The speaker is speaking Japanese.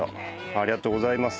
ありがとうございます。